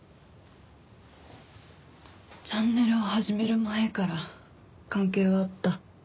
チャンネルを始める前から関係はあった。